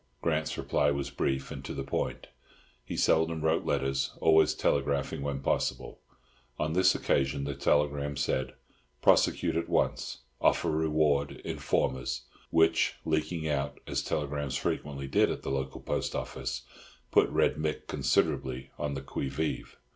Grant's reply was brief and to the point; he seldom wrote letters, always telegraphing when possible. On this occasion the telegram said, "Prosecute at once; offer reward informers;" which, leaking out (as telegrams frequently did at the local office) put Red Mick considerably on the qui vive.